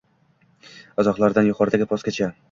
Izohlardan yuqoridagi postgacha: